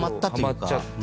はまっちゃって。